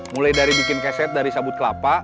mulai dari bikin keset dari sabut kelapa